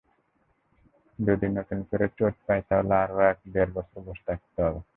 যদি নতুন করে চোট পাই তাহলে আরও এক-দেড় বছর বসে থাকতে হবে।